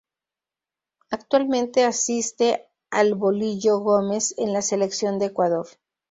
Actualmente asiste al 'Bolillo' Gómez en la Selección de Ecuador.